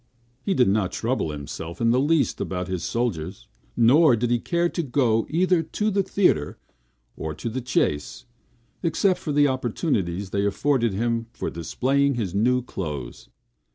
He did not trouble himself in the least about his soldiers; nor did he care to go either to the theatre or the chase, except for the opportunities then afforded him for displaying his new clothes.